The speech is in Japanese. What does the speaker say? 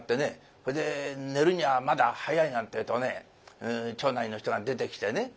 それで寝るにはまだ早いなんてえとね町内の人が出てきてね